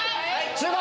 集合！